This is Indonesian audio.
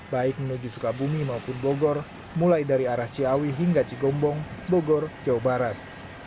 baik menuju sukabumi maupun bogor mulai dari arah ciawi hingga cigombong bogor jawa barat